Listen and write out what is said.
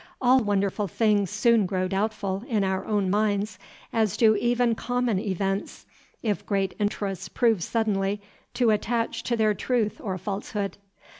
All wonderful things soon grow doubtful in our own minds, as do even common events, if great interests prove suddenly to attach to their truth or falsehood.